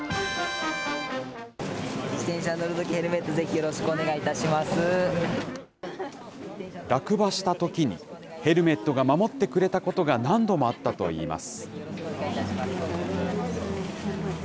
自転車に乗るとき、ヘルメットをぜひ、よろしくお願いいたし落馬したときに、ヘルメットが守ってくれたことが何度もあったといいます。